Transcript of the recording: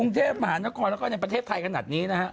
ผมจะบ้าตายแล้วก็ในประเทศไทยขนาดนี้นะครับ